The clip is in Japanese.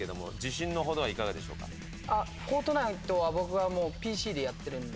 『フォートナイト』は僕はもうＰＣでやってるんで。